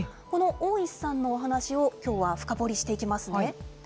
この大石さんのお話をきょうは深掘りしていきますね。